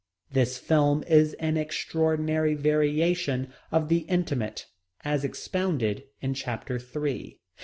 This film is an extraordinary variation of the intimate, as expounded in chapter three.